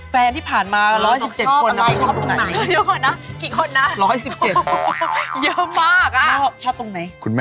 แฟนที่ผ่านมา๑๑๗คนอะชอบตรงไหน